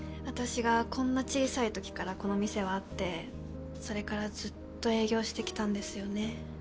私がこんな小さいときからこの店はあってそれからずっと営業してきたんですよね。